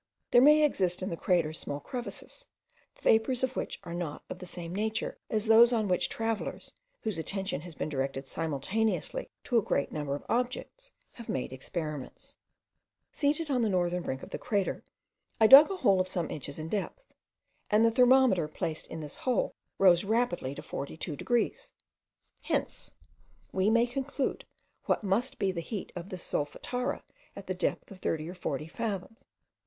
There may exist in the crater small crevices, the vapours of which are not of the same nature as those on which travellers, whose attention has been directed simultaneously to a great number of objects, have made experiments. Seated on the northern brink of the crater, I dug a hole of some inches in depth; and the thermometer placed in this hole rose rapidly to 42 degrees. Hence we may conclude what must be the heat in this solfatara at the depth of thirty or forty fathoms.